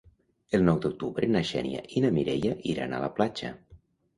El nou d'octubre na Xènia i na Mireia iran a la platja.